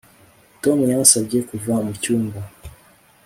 Tom yansabye kuva mu cyumba